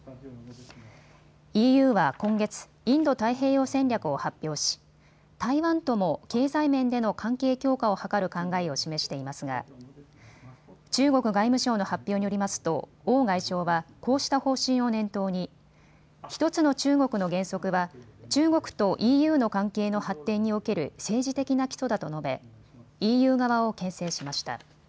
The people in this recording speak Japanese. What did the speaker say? ＥＵは今月、インド太平洋戦略を発表し台湾とも経済面での関係強化を図る考えを示していますが中国外務省の発表によりますと王外相は、こうした方針を念頭に１つの中国の原則は中国とＥＵの関係の発展における政治的な基礎だと述べＥＵ側をけん制しました。